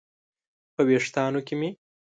په ویښتانو کې مې